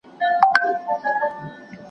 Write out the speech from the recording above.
ناپوهه ميرمن د خاوند ژوند تريخولای سي